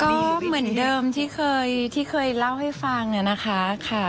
ก็เหมือนเดิมที่เคยเล่าให้ฟังน่ะนะคะ